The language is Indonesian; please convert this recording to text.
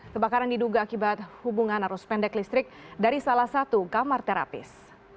kebakaran diduga akibat hubungan arus pendek listrik dari salah satu kamar terapis